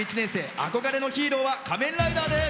憧れのヒーローは「仮面ライダー」です。